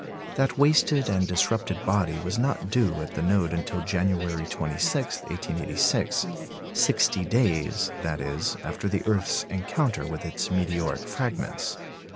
That wasted and disrupted body was not due at the node until January 26, 1886, sixty days, that is, after the earth's encounter with its meteoric fragments.